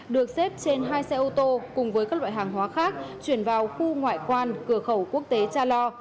được xếp trên hai xe ô tô cùng với các loại hàng hóa khác chuyển vào khu ngoại quan cửa khẩu quốc tế cha lo